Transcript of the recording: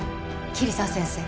桐沢先生。